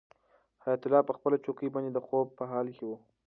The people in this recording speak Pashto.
حیات الله په خپله چوکۍ باندې د خوب په حال کې و.